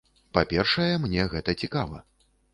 Па-першае, мне гэта цікава.